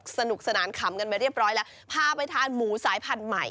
สนุกสนานขำกันไปเรียบร้อยแล้วพาไปทานหมูสายพันธุ์ใหม่